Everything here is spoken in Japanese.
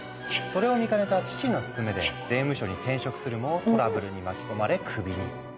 それを見かねた父の勧めで税務署に転職するもトラブルに巻き込まれクビに。